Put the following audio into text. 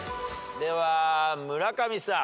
では村上さん。